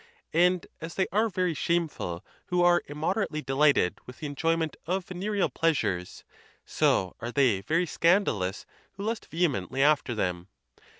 And as they are very shameful who are immoderately delighted with the enjoyment of venereal pleasures, so are they very scandalous who lust vehemently after them.